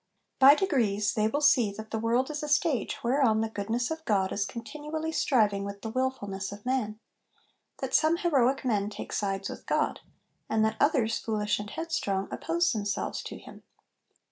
By degrees, they will see that the world is a stage whereon the goodness of God is continually striving with the wilfulness of man ; that some heroic men take sides with God ; and that others, foolish and headstrong, oppose themselves to Him.